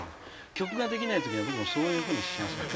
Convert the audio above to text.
曲ができない時には僕もそういうふうにしましょう。